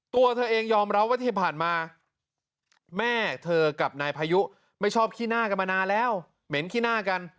ตัวเธอเองยอมรับว่าที่ผ่านมาแม่เธอกับนายพายุไม่ชอบขี้หน้ากันมานานแล้วเหม็นขี้หน้ากัน